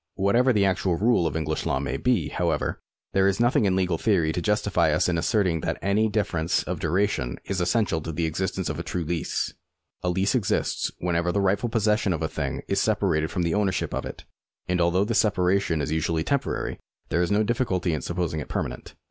^ Whatever the actual rule of English law may be, however, there is nothing in legal theory to justify us in asserting that any such difference of duration is essential to the existence of a true lease. A lease exists whenever the rightful possession of a thing is separated from the owner ship of it ; and although this separation is usually temporary, there is no difficulty in saipposing it permanent.